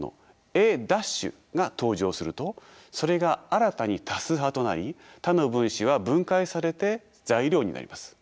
Ａ′が登場するとそれが新たに多数派となり他の分子は分解されて材料になります。